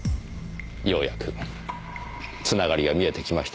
ようやく繋がりが見えてきましたねえ。